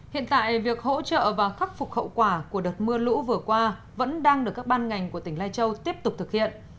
hiện tại việc hỗ trợ và khắc phục hậu quả của đợt mưa lũ vừa qua vẫn đang được các ban ngành của tỉnh lai châu tiếp tục thực hiện